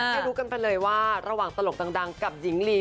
ให้รู้กันไปเลยว่าระหว่างตลกดังกับหญิงลี